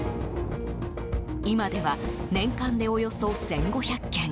今では年間でおよそ１５００件。